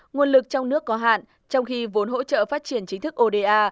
nguồn lực trong nước có hạn trong khi vốn hỗ trợ phát triển chính thức oda